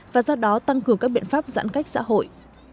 và do đó tăng cường các biện pháp giãn cách xã hội